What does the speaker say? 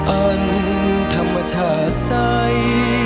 อันธรรมชาติใส